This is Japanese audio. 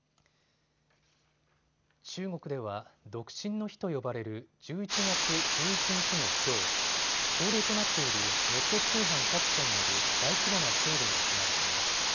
中国では独身の日と呼ばれる１１月１１日のきょう、恒例となっているネット通販各社による大規模なセールが行われています。